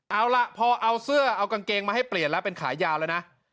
เอาล่ะพอเอาเสื้อเอากางเกงมาให้เปลี่ยนแล้วเป็นขายาวแล้วนะ